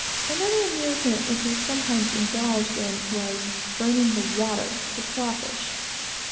Another amusement, which we sometimes indulged in, was "burning the water" for craw fish.